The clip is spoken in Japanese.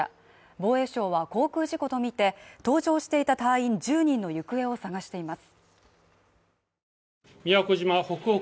防衛省は航空事故とみて、同乗していた隊員１０人の行方を捜しています。